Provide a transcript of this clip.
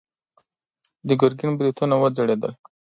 د ګرګين برېتونه وځړېدل.